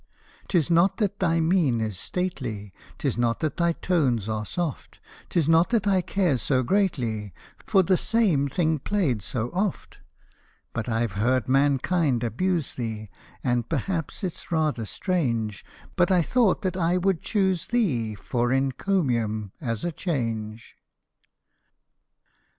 'Tis not that thy mien is stately, 'Tis not that thy tones are soft; 'Tis not that I care so greatly For the same thing play'd so oft: But I've heard mankind abuse thee; And perhaps it's rather strange, But I thought that I would choose thee For encomium, as a change.